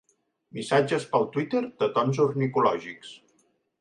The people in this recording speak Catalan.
Missatges pel Twitter de tons ornitològics.